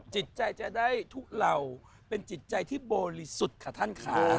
จิตใจจะได้ทุเลาเป็นจิตใจที่บริสุทธิ์ค่ะท่านค่ะ